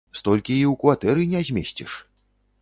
Столькі і ў кватэры не змесціш.